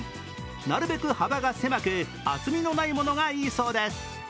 なるべく幅が狭く厚みのないものがいいそうです。